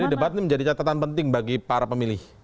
jadi debat ini menjadi catatan penting bagi para pemilih